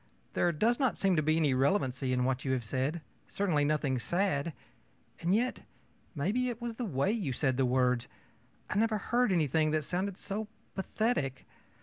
There does not seem to be any relevancy in what you have said, certainly nothing sad; and yet maybe it was the way you said the words I never heard anything that sounded so pathetic.